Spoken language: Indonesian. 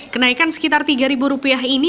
kenaikan sekitar tiga rupiah ini